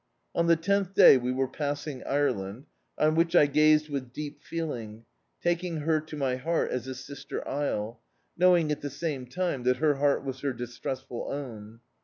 On the tenth day we were passing Ireland, on which I gazed with deep feeling, taking her to my heart as a sister isle, knowing at the same time that her heart was her distressful own.